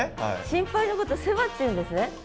心配のこと「せわ」っていうんですね。